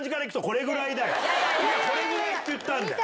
これぐらいって言ったんだよ。